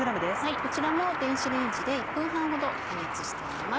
こちらも電子レンジで１分半ほど加熱してあります。